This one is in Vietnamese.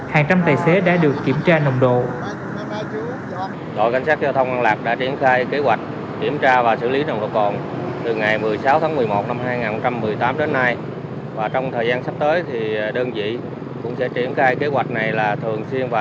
hàng trăm tài xế đã được kiểm tra nồng độ